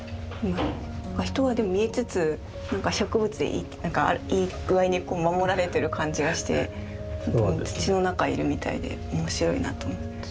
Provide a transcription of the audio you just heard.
人はでも見えつつ植物いい具合に守られてる感じがして土の中いるみたいで面白いなと思いますね。